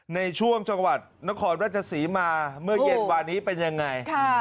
ในช่วงจังหวัดนครราชศรีมาเมื่อเย็นวานี้เป็นยังไง